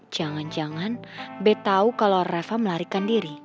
jangan jangan be tahu kalau reva melarikan diri